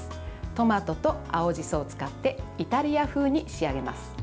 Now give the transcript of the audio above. トマトと青じそを使ってイタリア風に仕上げます。